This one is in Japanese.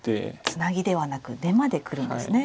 ツナギではなく出までくるんですね。